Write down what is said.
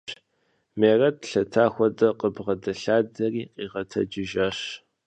Мерэт, лъэта хуэдэ къыбгъэдэлъадэри къигъэтэджыжащ.